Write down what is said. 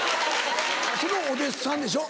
そのお弟子さんでしょ。